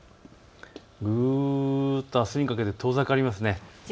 ぐっとあすにかけて遠ざかりますね。